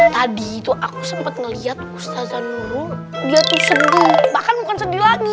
tadi itu aku sempet ngelihat ustazanunu dia tuh sedih bahkan bukan sedih lagi